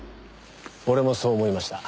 俺もそう思いました。